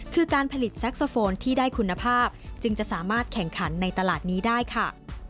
คือการผลิตแซ็กโซโฟนที่ได้คุณภาพจึงจะสามารถแข่งขันในตลาดนี้ได้ค่ะ